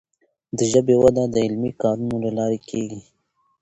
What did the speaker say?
د ژبي وده د علمي کارونو له لارې کیږي.